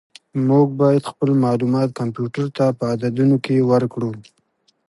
موږ باید خپل معلومات کمپیوټر ته په عددونو کې ورکړو.